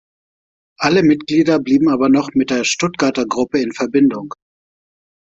Alle Mitglieder blieben aber noch mit der Stuttgarter Gruppe in Verbindung.